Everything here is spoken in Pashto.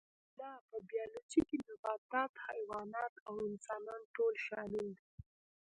نه په بیولوژي کې نباتات حیوانات او انسانان ټول شامل دي